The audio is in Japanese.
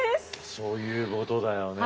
そういうことだよねえ。